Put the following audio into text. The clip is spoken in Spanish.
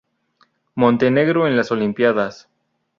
Montenegro en las Olimpíadas